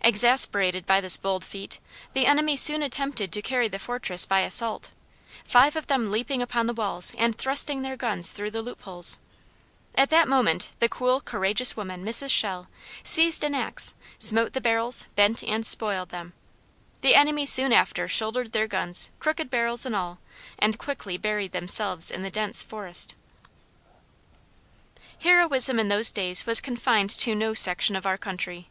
Exasperated by this bold feat, the enemy soon attempted to carry the fortress by assault; five of them leaping upon the walls and thrusting their guns through the loop holes. At that moment the cool courageous woman, Mrs. Shell, seized an axe, smote the barrels, bent and spoiled them. The enemy soon after shouldered their guns, crooked barrels and all, and quickly buried themselves in the dense forest. Heroism in those days was confined to no section of our country.